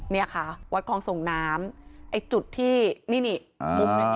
เนี่ยค่ะวัดคลองส่งน้ำไอ้จุดที่นี่นี่มุมหนึ่ง